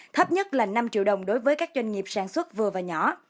thấp nhất là năm triệu đồng đối với các doanh nghiệp sản xuất vừa và nhỏ